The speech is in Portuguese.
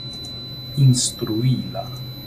instruí-la